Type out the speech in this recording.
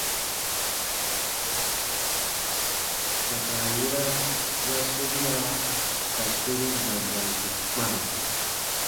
Kpãsa yera ya sobia ka sorun dandansu kpana.